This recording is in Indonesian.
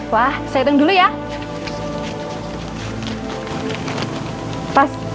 wah saya hitung dulu ya